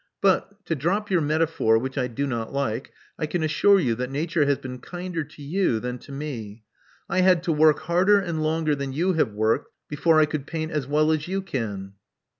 But, to drop your metaphor, which I do not like, I can assure you that Nature has been kinder to you than to me. I had to work harder and longer than you have worked before I could paint as well as you can."